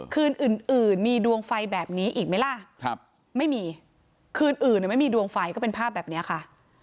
คืนอื่นมีดวงไฟแบบนี้อีกไหมล่ะไม่มีคืนอื่นไม่มีดวงไฟก็เป็นภาพแบบนี้ค่ะ